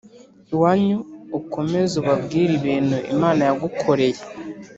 Iwanyu ukomeze ubabwire ibintu imana yagukoreye